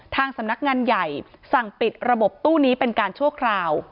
ทางสำนักงานใหญ่สั่งปิดระบบตู้นี้เป็นการชั่วคราว